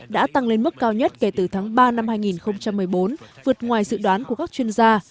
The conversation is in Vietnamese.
đã tăng lên mức cao nhất kể từ tháng ba năm hai nghìn một mươi bốn vượt ngoài dự đoán của các chuyên gia